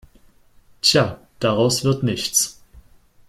Tja, daraus wird nichts.